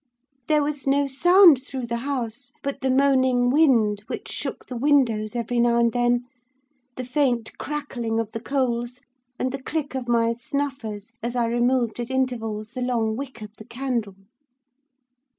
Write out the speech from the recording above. There was no sound through the house but the moaning wind, which shook the windows every now and then, the faint crackling of the coals, and the click of my snuffers as I removed at intervals the long wick of the candle.